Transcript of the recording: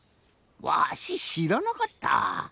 わししらなかったぁ。